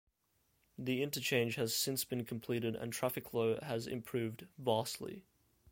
The interchange has since been completed and traffic flow has improved vastly.